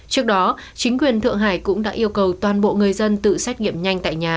trước đó chính quyền thượng hải cũng đã yêu cầu toàn bộ người dân tự xét nghiệm nhanh tại nhà